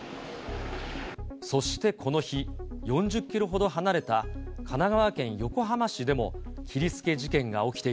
そしてこの日、４０キロほど離れた神奈川県横浜市でも、切りつけ事件が起きてい